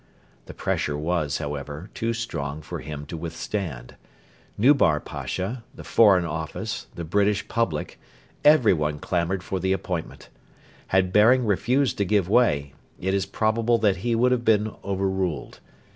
The pressure was, however, too strong for him to withstand. Nubar Pasha, the Foreign Office, the British public, everyone clamoured for the appointment. Had Baring refused to give way, it is probable that he would have been overruled.